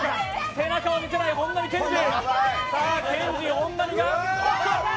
背中を見せない本並健治。